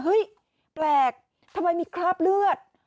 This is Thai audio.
แปลกทำไมมีคราบเลือด